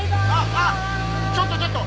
あっちょっとちょっと！